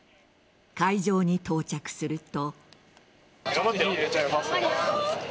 会場に到着すると。